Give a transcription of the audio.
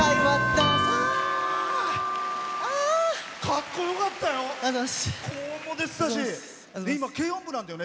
かっこよかったよ。